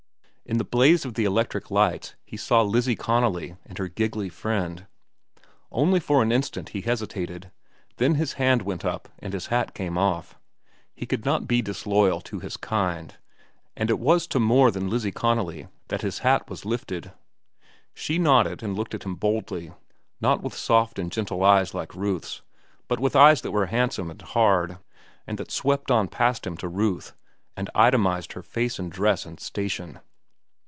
In the blaze of the electric lights, he saw Lizzie Connolly and her giggly friend. Only for an instant he hesitated, then his hand went up and his hat came off. He could not be disloyal to his kind, and it was to more than Lizzie Connolly that his hat was lifted. She nodded and looked at him boldly, not with soft and gentle eyes like Ruth's, but with eyes that were handsome and hard, and that swept on past him to Ruth and itemized her face and dress and station.